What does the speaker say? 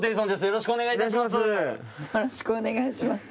よろしくお願いします。